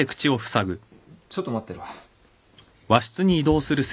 ちょっと待ってろ。